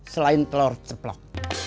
selain telur ceplok